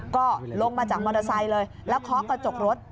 ก็ลงมาจากมอเตอร์ไซค์เลยแล้วเคาะกระจกรถ